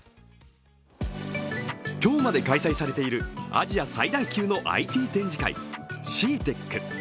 今日まで開催されているアジア最大級のＩＴ展示会、ＣＥＡＴＥＣ。